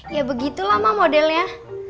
ya begitu lama modelnya